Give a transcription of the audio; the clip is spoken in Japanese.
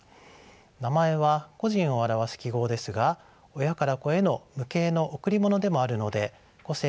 名前は個人を表す記号ですが親から子への無形の贈り物でもあるので個性があっても構いません。